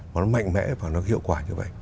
nó mạnh mẽ và nó hiệu quả như vậy